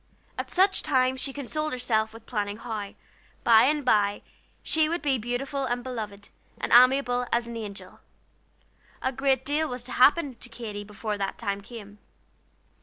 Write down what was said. At such times she consoled herself with planning how, by and by, she would be beautiful and beloved, and amiable as an angel. A great deal was to happen to Katy before that time came.